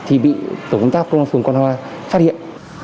thì bị tổng công tác công an phường quang hoa phát hiện